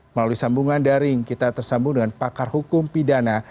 melalui sambungan daring kita tersambung dengan pakar hukum pidana